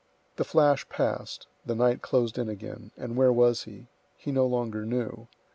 The flash passed, the night closed in again; and where was he? He no longer knew.